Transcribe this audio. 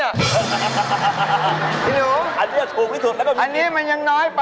พี่หนูพี่หนูเอาสิะเอาสิะนี้มันยังน้อยป่ะ